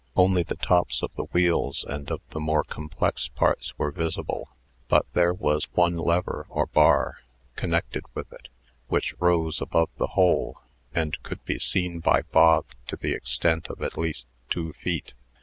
Only the tops of the wheels and of the more complex parts were visible; but there was one lever, or bar, connected with it, which rose above the whole, and could be seen by Bog to the extent of at least two feet.